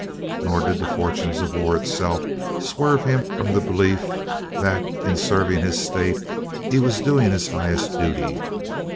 Nor did the fortunes of the War itself swerve him from the belief that in serving his State, he was doing his highest duty.